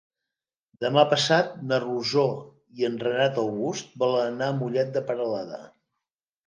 Demà passat na Rosó i en Renat August volen anar a Mollet de Peralada.